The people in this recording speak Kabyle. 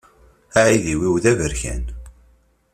Aεudiw-iw d aberkan.